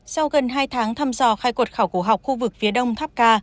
sau gần hai tháng thăm dò khai quật khảo cổ học khu vực phía đông tháp ca